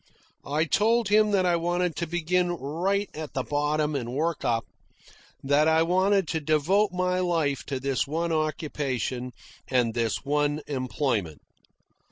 I told him that I wanted to begin right at the bottom and work up, that I wanted to devote my life to this one occupation and this one employment.